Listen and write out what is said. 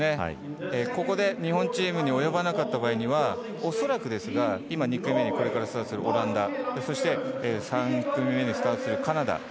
ここで日本チームに及ばなかった場合には恐らくですが２組目にスタートするオランダ、そして３組目にスタートするカナダ。